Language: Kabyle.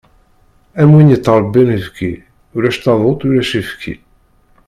Am win yettrebbin ibki, ulac taduṭ ulac ayefki.